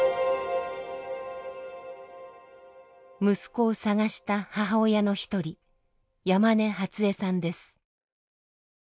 息子を捜した母親の一人山根初恵さんです。